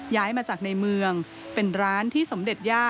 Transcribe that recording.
ย้ายมาจากในเมืองเป็นร้านที่สมเด็จย่า